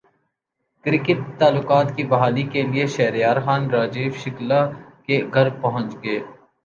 cricket تعلقات کی بحالی کیلئے شہریار خان راجیو شکلا کے گھرپہنچ گئے